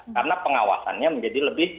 karena pengawasannya menjadi lebih ketat